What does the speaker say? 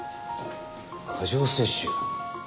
過剰摂取。